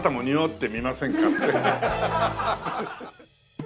って。